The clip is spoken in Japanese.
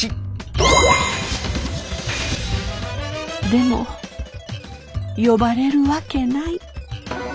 でも呼ばれるわけない。